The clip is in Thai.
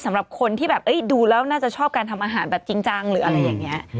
สำหรับคนที่แบบดูแล้วน่าจะชอบการทำอาหารแบบจริงจังหรืออะไรอย่างนี้